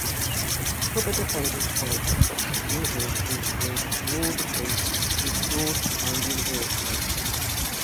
Hubbard attended college at Butler University and earned his law degree from Georgetown University.